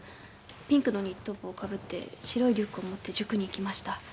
ピンクのニット帽をかぶって白いリュックを持って塾に行きました